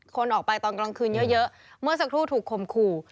คนออกไปตอนกลางคืนเยอะเมื่อสักครู่ถูกคมขู่